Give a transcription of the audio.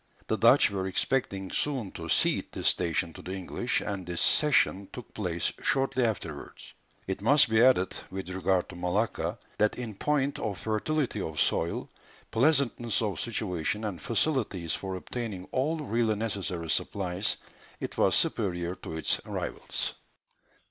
The Dutch were expecting soon to cede this station to the English, and this cession took place shortly afterwards. It must be added, with regard to Malacca, that in point of fertility of soil, pleasantness of situation and facilities for obtaining all really necessary supplies, it was superior to its rivals.